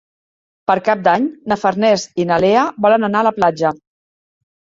Per Cap d'Any na Farners i na Lea volen anar a la platja.